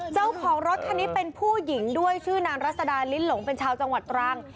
เจ้าของรถคันนี้เป็นผู้หญิงด้วยชื่อนางรัศดาลิ้นหลงเป็นชาวจังหวัดตรัง